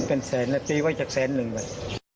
เป็นแสนแล้วตีไว้จากแสนหนึ่งเลย